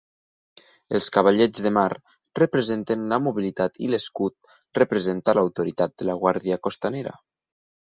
Els cavallets de mar representen la mobilitat i l'escut representa l'autoritat de la guàrdia costanera.